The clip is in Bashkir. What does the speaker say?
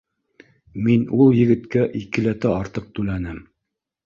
Мин ул егеткә икеләтә артыҡ түләнем